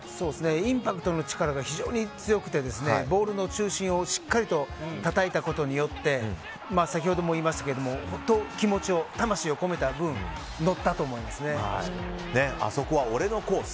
インパクトの力が非常に強くてボールの中心をしっかりとたたいたことによって先ほども言いましたが気持ち、魂を込めた分あそこは俺のコース